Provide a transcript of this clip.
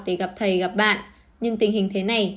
để gặp thầy gặp bạn nhưng tình hình thế này